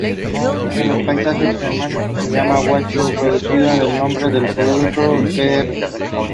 The shelters are designed to be used as housing units for homeless people.